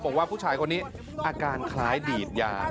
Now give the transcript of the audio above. บอกว่าผู้ชายคนนี้อาการคล้ายดีดยา